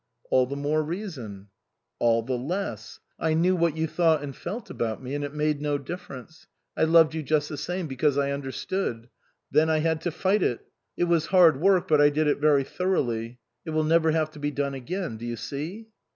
" All the more reason "" All the less. I knew what you thought and felt about me, and it made no difference ; I loved you just the same, because I understood. Then I had to fight it. It was hard work, but I did it very thoroughly. It will never have to be done again. Do you see